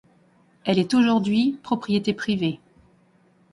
Elle est aujourd'hui propriété privée.